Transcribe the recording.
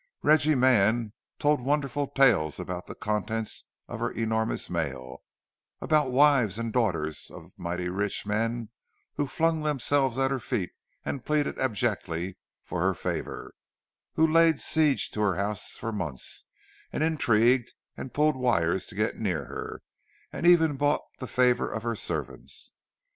Reggie Mann told wonderful tales about the contents of her enormous mail—about wives and daughters of mighty rich men who flung themselves at her feet and pleaded abjectly for her favour—who laid siege to her house for months, and intrigued and pulled wires to get near her, and even bought the favour of her servants!